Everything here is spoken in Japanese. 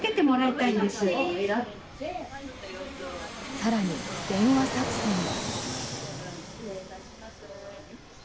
更に、電話作戦も。